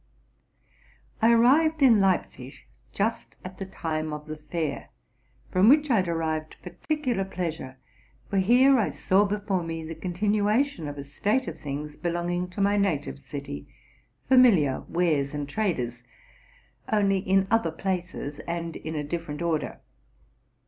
I arrived in Leipzig jnst at the time of the fair, from which I derived particular pleasure; for here I saw before me the continuation of a state of things belonging to my native city, familiar wares and traders,—only in other places, and in a different order.